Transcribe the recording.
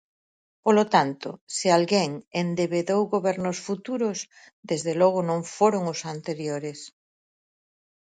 Polo tanto, se alguén endebedou gobernos futuros, desde logo non foron os anteriores.